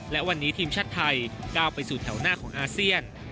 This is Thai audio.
และวันนี้ทีมชาติไทยก้าวไปสู่แถวหน้าของอาเซียน